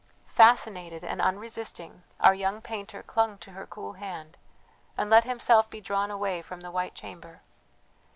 Fascinated and unresisting our young painter clung to her cool hand, and let himself be drawn away from the white chamber.